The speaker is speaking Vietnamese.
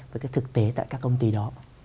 với cái thực tế tại các công ty đó